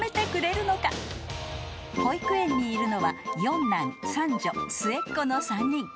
［保育園にいるのは四男三女末っ子の３人］